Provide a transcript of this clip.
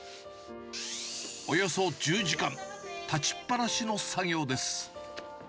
およそ１０時間、立ちっ放しの作業です。